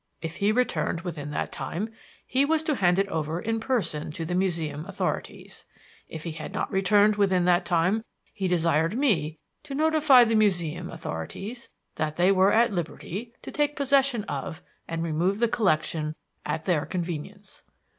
If he returned within that time he was to hand it over in person to the Museum authorities; if he had not returned within that time, he desired me to notify the Museum authorities that they were at liberty to take possession of and remove the collection at their convenience.